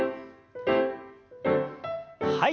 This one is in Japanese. はい。